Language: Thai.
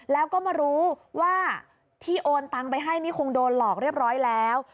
แล้วก็มารู้ว่าที่โอนตังไปให้นี่คงโดนหลอกเรียบร้อยแล้ว